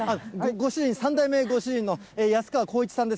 ご主人、３代目ご主人の安川浩市さんです。